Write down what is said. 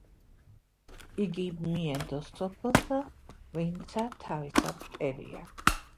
იგი მიენდოს სოფელსა, ვინცა თავისა მტერია.